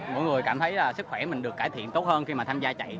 mỗi người cảm thấy là sức khỏe mình được cải thiện tốt hơn khi mà tham gia chạy